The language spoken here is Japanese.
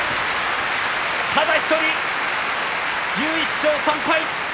ただ１人、１１勝３敗。